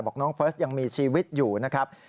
น้องเฟิร์สยังมีชีวิตอยู่นะครับ